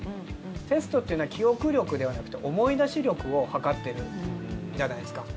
テストというのは記憶力ではなくて思い出し力を測っているじゃないですか。